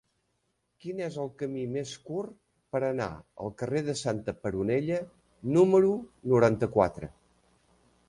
Quin és el camí més curt per anar al carrer de Santa Peronella número noranta-quatre?